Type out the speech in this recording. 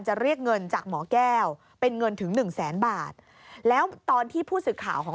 เรียกเงินจากหมอแก้วเป็นเงินถึงหนึ่งแสนบาทแล้วตอนที่ผู้สื่อข่าวของ